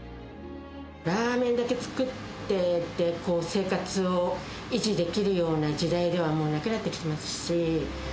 ラーメンだけ作ってて生活を維持できるような時代では、もうなくなってきてますし。